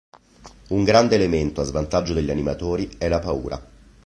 Un grande elemento a svantaggio degli animatori è la paura.